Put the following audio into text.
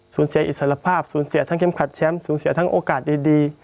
เสียอิสระภาพสูญเสียทั้งเข้มขัดแชมป์สูญเสียทั้งโอกาสดี